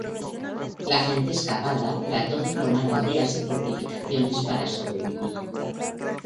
La gente escapada trató de formar aldeas y fortificaciones para sobrevivir.